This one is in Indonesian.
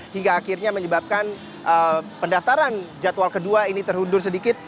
hingga akhirnya menyebabkan pendaftaran jadwal kedua ini terundur sedikit